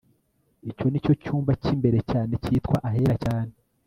icyo ni cyo cyumba cy imbere cyane cyitwa ahera cyane